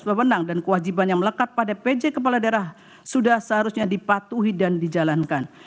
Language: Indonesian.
pemenang dan kewajiban yang melekat pada pj kepala daerah sudah seharusnya dipatuhi dan dijalankan